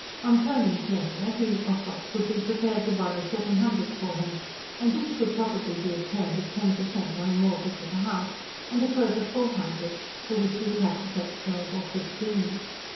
On Turnham's letter he, Ocock, would be prepared to borrow seven hundred for him and this could probably be obtained at ten per cent on a mortgage of the house; and a further four hundred, for which he would have to pay twelve or fifteen.